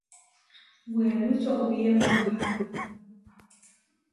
Werú čoʼwíe momohá.